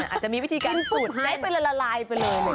อาจจะมีวิธีการสูดหายไปละลายไปเลย